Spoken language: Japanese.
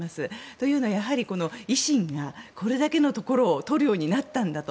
というのは、やはり維新がこれだけのところを取るようになったんだと。